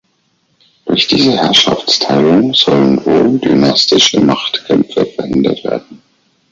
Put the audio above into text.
Durch diese Herrschaftsteilung sollen wohl dynastische Machtkämpfe verhindert werden.